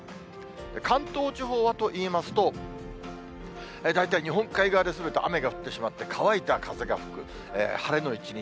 関東地方はといいますと、大体日本海側で雨が降ってしまって、乾いた風が吹く晴れの一日。